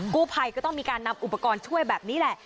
กู้ภัยก็ต้องมีการนำอุปกรณ์ช่วยแบบนี้แหละ